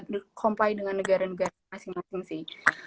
dikompile dengan negara negara masing masing sih